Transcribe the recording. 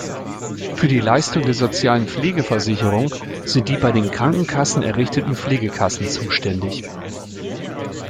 Für die Leistungen der sozialen Pflegeversicherung sind die bei den Krankenkassen errichteten Pflegekassen zuständig.